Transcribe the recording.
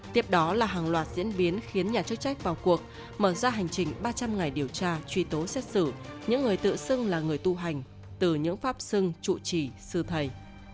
tiếp đó là hàng loạt diễn biến khiến nhà chức trách vào cuộc mở ra hành trình ba trăm linh ngày điều tra truy tố xét xử những người tự xưng là người tu hành từ những pháp sưng trụ trì sư thầy